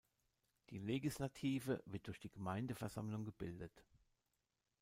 Die Legislative wird durch die Gemeindeversammlung gebildet.